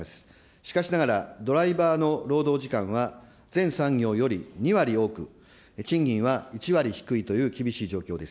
しかしながら、ドライバーの労働時間は全産業より２割多く、賃金は１割低いという厳しい状況です。